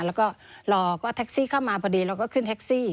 แล้วก็รอก็แท็กซี่เข้ามาพอดีเราก็ขึ้นแท็กซี่